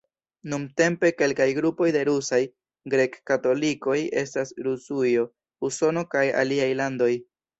Nuntempe kelkaj grupoj de rusaj grek-katolikoj estas en Rusujo, Usono kaj aliaj landoj.